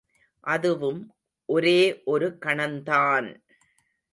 அதுவும் ஒரே ஒரு கணந்தான்!